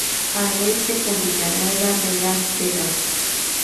Al oeste con Villanueva de las Peras.